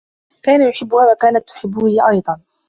كان يحبّها و كانت تحبّه هي أيضا.